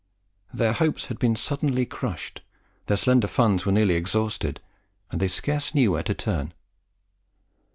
Their hopes had been suddenly crushed, their slender funds were nearly exhausted, and they scarce knew where to turn.